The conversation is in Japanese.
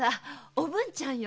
おぶんちゃんよ。